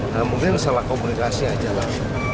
nah mungkin salah komunikasi aja lah